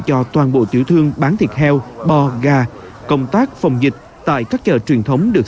cho toàn bộ tiểu thương bán thịt heo bò gà công tác phòng dịch tại các chợ truyền thống được